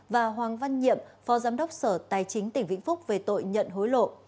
và hoàng văn nhiệm phó giám đốc sở tài chính tỉnh vĩnh phúc về tội nhận hối lộ